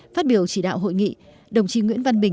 phát biểu chỉ đạo hội nghị đồng chí nguyễn văn bình